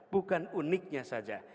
bukan uniknya saja